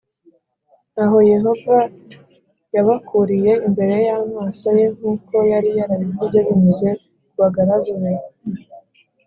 Aho Yehova yabakuriye imbere y’amaso ye nk’uko yari yarabivuze binyuze ku bagaragu be